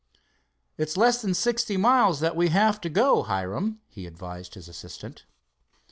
"It's less than sixty miles that we have to go, Hiram," he advised his assistant.